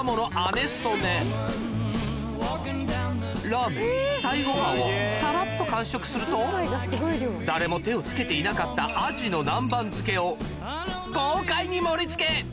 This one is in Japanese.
ラーメン鯛ごはんをさらっと完食すると誰も手を付けていなかった鯵の南蛮漬けを豪快に盛り付け！